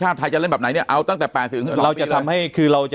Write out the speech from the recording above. ไทยจะเล่นแบบไหนเนี่ยเอาตั้งแต่๘๐เราจะทำให้คือเราจะ